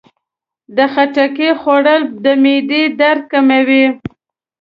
د خټکي خوړل د معدې درد کموي.